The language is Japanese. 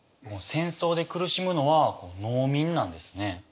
戦争で苦しむのは農民なんですね。